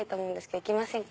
行きませんか？